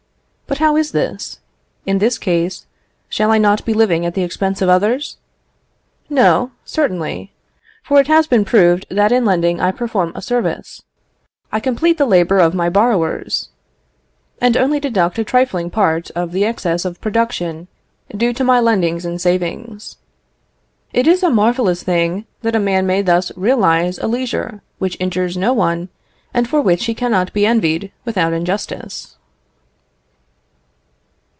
But how is this? In this case, shall I not be living at the expense of others? No, certainly, for it has been proved that in lending I perform a service; I complete the labour of my borrowers, and only deduct a trifling part of the excess of production, due to my lendings and savings. It is a marvellous thing that a man may thus realise a leisure which injures no one, and for which he cannot be envied without injustice."